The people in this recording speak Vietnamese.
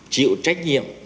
chịu trách nhiệm